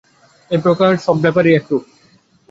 এই প্রকার সব ব্যাপারেই এইরূপ।